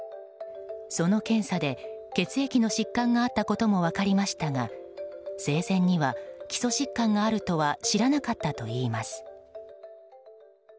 その検査で血液の疾患があったことも分かりましたが生前には基礎疾患があるとは知らなかったといいます。